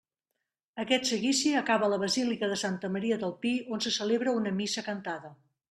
Aquest seguici acaba a la basílica de Santa Maria del Pi on se celebra una missa cantada.